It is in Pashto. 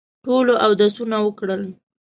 ټولو اودسونه وکړل.